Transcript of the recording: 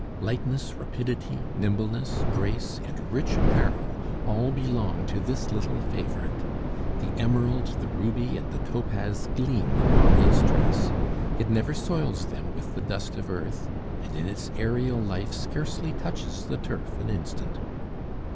Lightness, rapidity, nimbleness, grace, and rich apparel all belong to this little favorite. The emerald, the ruby, and the topaz gleam upon its dress. It never soils them with the dust of earth, and in its aërial life scarcely touches the turf an instant.